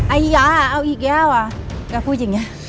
อัยยะเอาอีกแล้วแล้วพูดอย่างนี้